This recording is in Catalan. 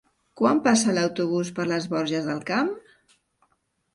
Quan passa l'autobús per les Borges del Camp?